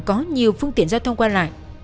có nhiều phương tiện giao thông qua lại